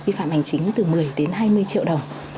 vi phạm hành chính từ một mươi đến hai mươi triệu đồng